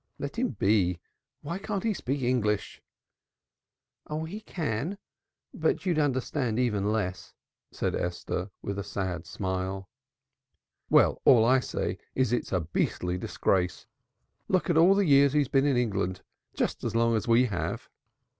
Let him be. Why can't he speak English?" "He can but you'd understand even less," said Esther with a sad smile. "Well, all I say is it's a beastly disgrace. Look at the years he's been in England just as long as we have."